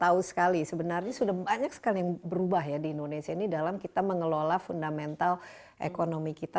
tahu sekali sebenarnya sudah banyak sekali yang berubah ya di indonesia ini dalam kita mengelola fundamental ekonomi kita